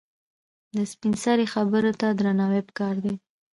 د سپینسرې خبره ته درناوی پکار دی.